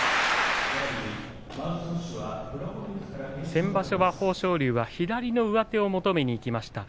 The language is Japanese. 先場所は豊昇龍は左の上手を求めにいきました。